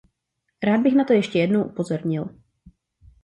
Rád bych na to ještě jednou upozornil.